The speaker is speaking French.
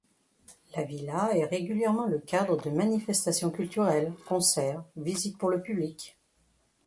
La villa est régulièrement le cadre de manifestations culturelles, concerts, visites pour le public...